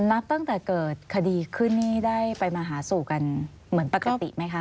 น้าเปิ้ลต่อเกิดคดีคืนนี้ได้ไปมาหาสู่กันเหมือนปกติไหมคะ